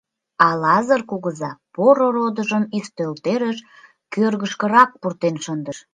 А Лазыр кугыза поро родыжым ӱстелтӧрыш кӧргышкырак пуртен шындыш.